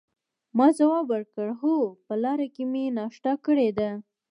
ما ځواب ورکړ: هو، په لاره کې مې ناشته کړې ده.